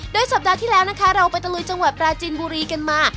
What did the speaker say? สัปดาห์ที่แล้วนะคะเราไปตะลุยจังหวัดปราจินบุรีกันมา